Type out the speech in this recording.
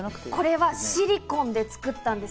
シリコンで作ってあるんです。